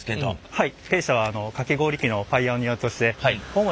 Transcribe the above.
はい。